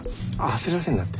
焦らせんなって。